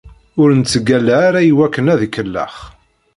Ur nettgalla ara iwakken ad ikellex.